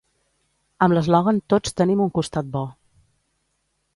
Amb l’eslògan Tots tenim un costat bo.